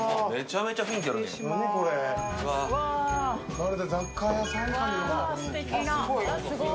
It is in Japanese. まるで雑貨屋さんみたい。